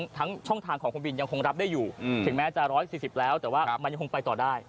ช่องทางของคุณบินยังคงรับได้อยู่ถึงแม้จะ๑๔๐แล้วแต่ว่ามันยังคงไปต่อได้